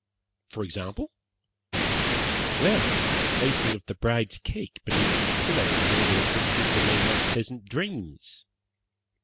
"For example?" "Well, the placing of the bride's cake beneath the pillow in order that the sleeper may have pleasant dreams.